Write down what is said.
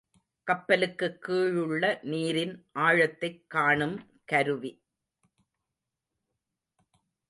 கப்பலுக்குக் கீழுள்ள நீரின் ஆழத்தைக் காணும் கருவி.